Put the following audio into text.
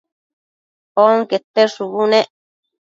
onquete shubu nec